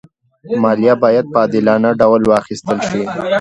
مالیه باید په عادلانه ډول واخېستل شي.